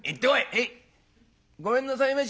「へい！ごめんなさいまし」。